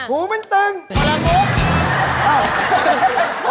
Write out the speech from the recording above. หูมันตุงน้ำละปุ๊บ